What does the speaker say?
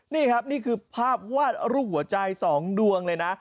นี่ครับนี่คือภาพวาดรูปหัวใจ๒ดวงเลยนะ